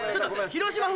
広島風？